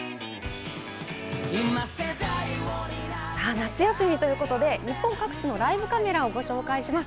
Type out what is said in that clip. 夏休みということで、日本各地のライブカメラをご紹介します。